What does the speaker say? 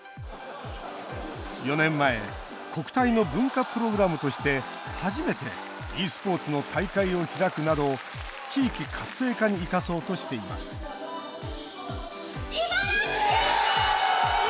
４年前国体の文化プログラムとして初めてｅスポーツの大会を開くなど、地域活性化に生かそうとしています茨城県です！